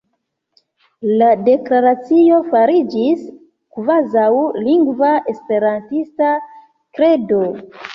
La Deklaracio fariĝis kvazaŭ lingva esperantista "Kredo".